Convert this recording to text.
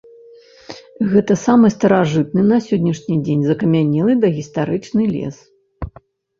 Гэта самы старажытны на сённяшні дзень закамянелы дагістарычны лес.